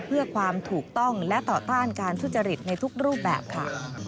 เพื่อความถูกต้องและต่อต้านการทุจริตในทุกรูปแบบค่ะ